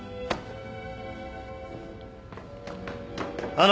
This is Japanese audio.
あの！